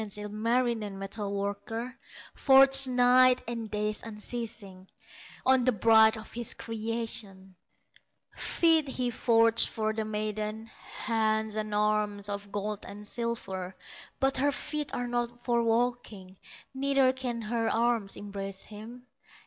Ilmarinen, metal worker, Forges nights and days unceasing, On the bride of his creation; Feet he forges for the maiden, Hands and arms, of gold and silver; But her feet are not for walking, Neither can her arms embrace him.